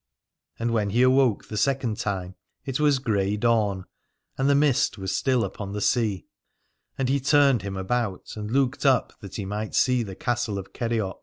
And when he awoke the second time it was grey dawn, and the mist was still upon the sea: and he turned him about and looked up that he might see the castle of Kerioc.